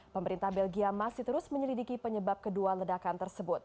pemerintah belgia masih terus menyelidiki penyebab kedua ledakan tersebut